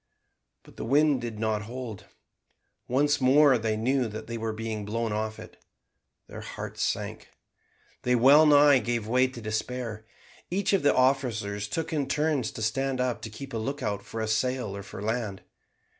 But the wind did not hold. Once more they knew that they were being blown off it. Their hearts sank. They wellnigh gave way to despair. Each of the officers took it in turns to stand up to keep a lookout for a sail or for land.